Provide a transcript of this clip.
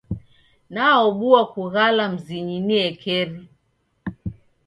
Naobua kughala mzinyi niekeri.